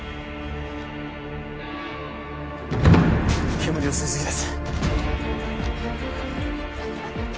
煙を吸いすぎです